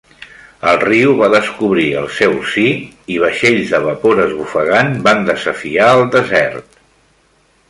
El riu va descobrir el seu si, i vaixells de vapor esbufegant van desafiar el desert.